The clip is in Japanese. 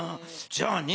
じゃあね